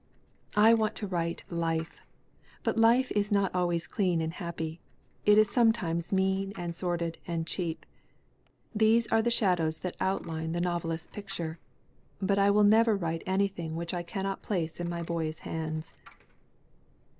"I want to write life. But life is not always clean and happy. It is sometimes mean and sordid and cheap. These are the shadows that outline the novel ist's picture. But I will never^write anything which I cannot place in my boys' hands."